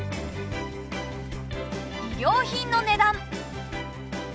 衣料品の値段。